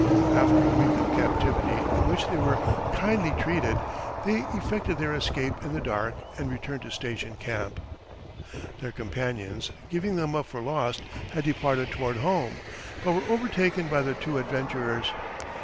After a week of captivity, in which they were kindly treated, they effected their escape in the dark and returned to Station Camp. Their companions, giving them up for lost, had departed toward home, but were overtaken by the two adventurers.